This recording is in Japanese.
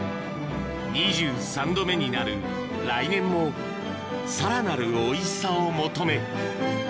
２３度目になる来年もさらなるおいしさを求め